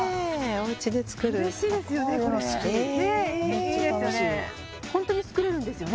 おうちで作る嬉しいですよね